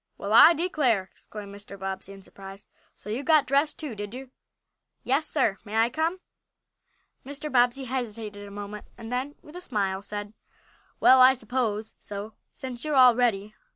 "Well, I declare!" exclaimed Mr. Bobbsey, in surprise. "So you got dressed too, did you?" "Yes, sir. May I come?" Mr. Bobbsey hesitated a moment, and then, with a smile, said: "Well, I suppose so, since you are all ready.